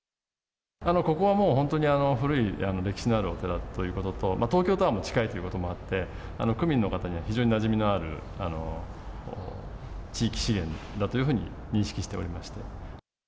ここはもう本当に古い歴史のあるお寺ということと、東京タワーも近いということもあって、区民の方には非常になじみのある地域支援だというふうに認識しておりまして。